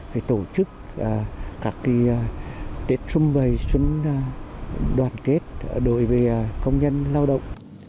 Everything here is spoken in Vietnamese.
phải tổ chức các cái tết chung bày xuân đoàn kết đối với công nhân lao động